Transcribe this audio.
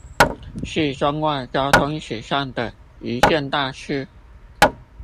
是中外交通史上的一件大事